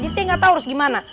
saya gak tau harus gimana